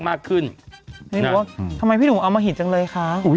เขาควรมีแฟนเสิร์นแล้วเห็นไหมครับเฮ้อ